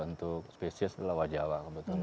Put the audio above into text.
untuk spesies adalah wajawa